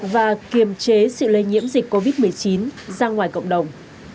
và kiềm chế sự lây nhiễm dịch covid một mươi chín ra ngoài cộng đồng